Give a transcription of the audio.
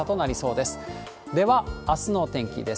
では、あすのお天気です。